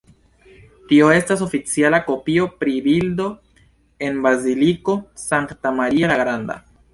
Tio estas oficiala kopio pri bildo en Baziliko Sankta Maria la Granda.